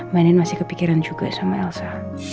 mbak nene masih kepikiran juga sama elsa